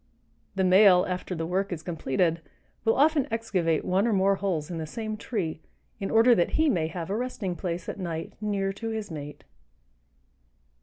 The male, after the work is completed, will often excavate one or more holes in the same tree in order that he may have a resting place at night near to his mate.